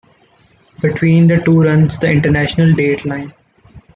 Between the two runs the International Date Line.